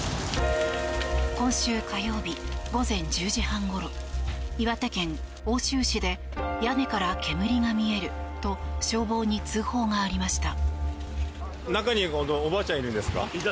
今週火曜日、午前１０時半ごろ岩手県奥州市で屋根から煙が見えると消防に通報がありました。